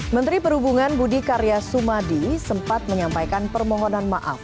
menteri perhubungan budi karya sumadi sempat menyampaikan permohonan maaf